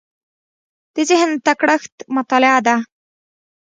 د ذهن تکړښت مطالعه ده.